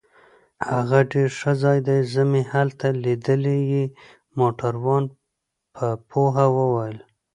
هغه ډیر ښه ځای دی، زه مې هلته لیدلی يې. موټروان په پوهه وویل.